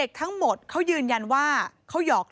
เด็กทั้งหมดเขายืนยันว่าเขาหยอกล้อกัน